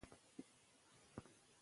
که یووالی وي نو په هېواد کې جګړه نه وي.